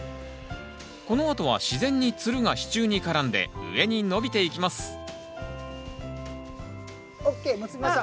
このあとは自然につるが支柱に絡んで上に伸びていきますＯＫ結びました。